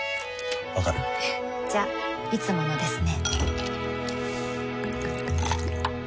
わかる？じゃいつものですね